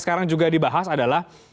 sekarang juga dibahas adalah